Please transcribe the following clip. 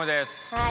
はい。